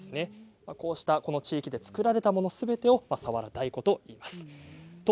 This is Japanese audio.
この地域で作られたものすべてを佐原太鼓と呼んでいます。